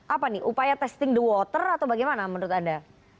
apa nih upaya testing the water atau bagaimana menurut anda